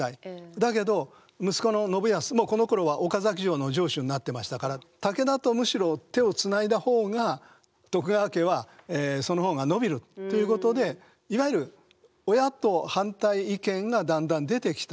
だけど息子の信康もうこのころは岡崎城の城主になってましたから武田とむしろ手をつないだ方が徳川家はその方が伸びるっていうことでいわゆる親と反対意見がだんだん出てきた。